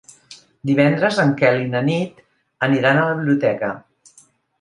Divendres en Quel i na Nit aniran a la biblioteca.